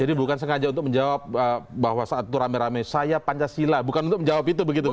jadi bukan sengaja untuk menjawab bahwa saat itu rame rame saya pancasila bukan untuk menjawab itu begitu ya